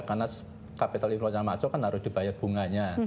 karena capital inflows yang masuk kan harus dibayar bunganya